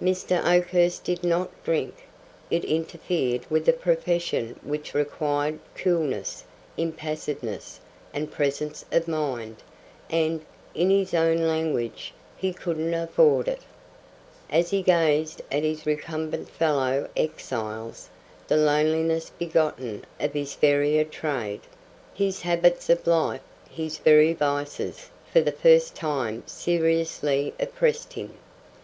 Mr. Oakhurst did not drink. It interfered with a profession which required coolness, impassiveness, and presence of mind, and, in his own language, he "couldn't afford it." As he gazed at his recumbent fellow exiles, the loneliness begotten of his pariah trade, his habits of life, his very vices, for the first time seriously oppressed him.